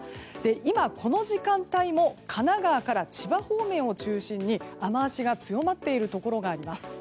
今、この時間帯も神奈川から千葉方面を中心に雨脚が強まっているところがあります。